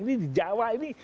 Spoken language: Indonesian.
ini di jawa ini